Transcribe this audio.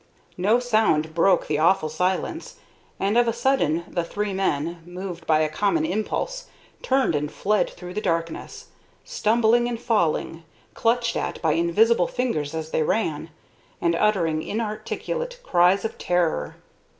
No sound broke the awful silence, and of a sudden the three men, moved by a common impulse, turned and fled through the darkness, stumbling and falling, clutched at by invisible fingers as they ran, and uttering inarticulate cries of terror.